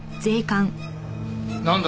なんだ？